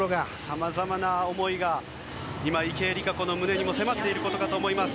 さまざまな思いが今、池江璃花子の胸にも迫っていることかと思います。